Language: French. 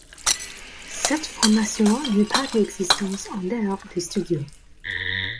Cette formation n'eut pas d'existence en dehors des studios.